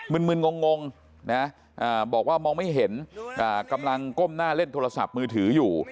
มึนงงนะบอกว่ามองไม่เห็นกำลังก้มหน้าเล่นโทรศัพท์มือถืออยู่